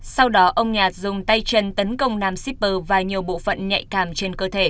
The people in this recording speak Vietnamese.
sau đó ông nhạt dùng tay chân tấn công nam shipper và nhiều bộ phận nhạy cảm trên cơ thể